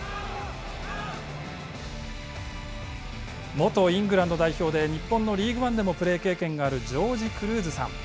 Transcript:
元イングランド代表で、日本のリーグワンでもプレー経験があるジョージ・クルーズさん。